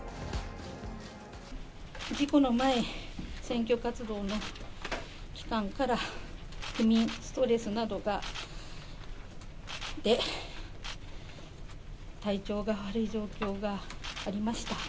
事故の前、選挙活動の期間から、不眠、ストレスなどがあって、体調が悪い状況がありました。